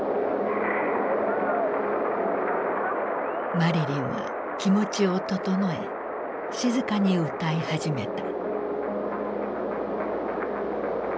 マリリンは気持ちを整え静かに歌い始めた。